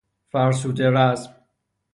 فرسوده رزم